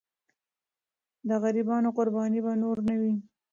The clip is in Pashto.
د غریبانو قرباني به نور نه وي.